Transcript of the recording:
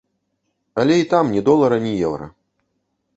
Але і там ні долара ні еўра.